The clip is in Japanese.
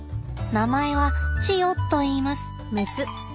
名前はチヨといいます。